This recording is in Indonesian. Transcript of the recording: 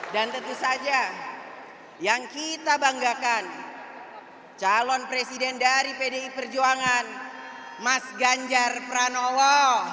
dan tentu saja yang kita banggakan calon presiden dari pdi perjuangan mas ganjar pranowo